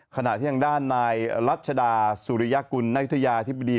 ขณะที่ทางด้านนายรัชดาสุริยกุลนักวิทยาธิบดี